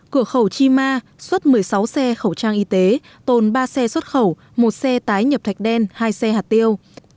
cửa khẩu chi ma xuất một mươi sáu xe khẩu trang y tế tồn ba xe xuất khẩu một xe tái nhập thạch đen hai xe hạt tiêu